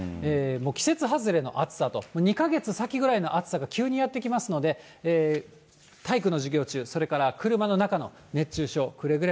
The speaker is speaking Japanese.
もう季節外れの暑さと、２か月先ぐらいの暑さかも暑さが急にやって来ますので、体育の授業中、それから車の中の熱中症、くれぐれも。